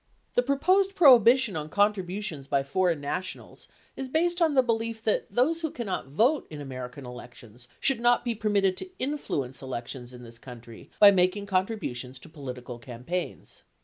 The proposed prohibition on contributions by foreign nationals is based on the belief that those who cannot vote in American elections should not be permitted to influence elections in this country by mak ing contributions to political campaigns.